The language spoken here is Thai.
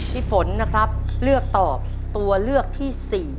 พี่ฝนนะครับเลือกตอบตัวเลือกที่๔